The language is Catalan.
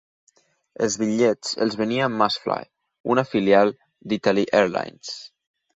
Els bitllets els venia MustFly, una filial d'ItAli Airlines.